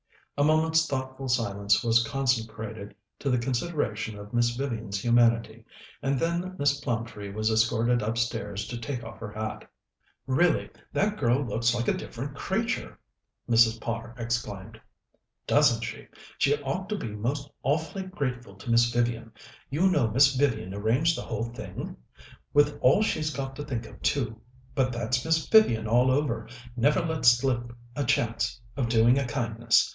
A moment's thoughtful silence was consecrated to the consideration of Miss Vivian's humanity, and then Miss Plumtree was escorted upstairs to take off her hat. "Really, that girl looks a different creature!" Mrs. Potter exclaimed. "Doesn't she? She ought to be most awfully grateful to Miss Vivian. You know Miss Vivian arranged the whole thing? With all she's got to think of, too! But that's Miss Vivian all over. Never lets slip a chance of doing a kindness.